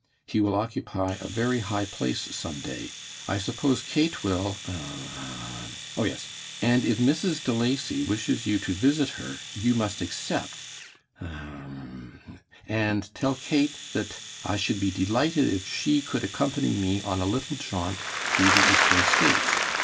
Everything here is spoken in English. He will occupy a very high place someday. I suppose Kate will' um um um 'Oh yes, and if Mrs. De Lacy wishes you to visit her you might accept' um um um 'and tell Kate that I should be delighted if she could accompany me on a little jaunt through the Eastern States.